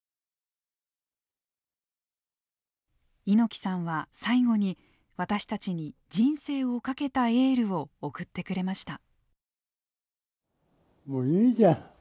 猪木さんは最後に私たちに人生を懸けたエールを送ってくれました。